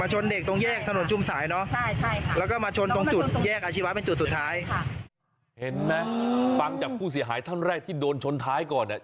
เห็นไหมฟังจากผู้เสียหายท่านแรกที่โดนชนท้ายก่อนเนี่ย